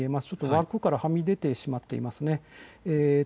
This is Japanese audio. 枠からはみ出てしまっていますね。